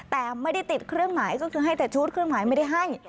แต่ไม่ได้ติดเครื่องหมายก็คือให้แต่ชุดเครื่องหมายไม่ได้ให้